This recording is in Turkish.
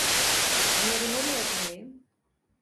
Bunları nereye koyayım?